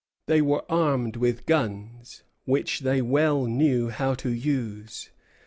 They were armed with guns, which they well knew how to use.